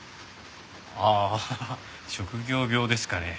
ああ職業病ですかね。